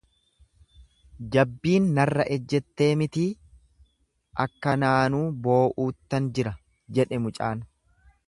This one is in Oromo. Jabbiin narra ejjettee mitii akkanaanuu boo'uuttan jira jedhe mucaan.